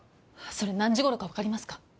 それ何時ごろか分かりますか？